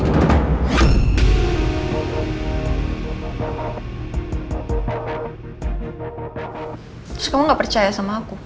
terus kamu gak percaya sama aku